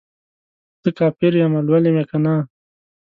څه کافر یمه ، لولی مې کنه